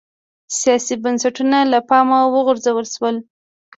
سیاسي بنسټونه له پامه وغورځول شول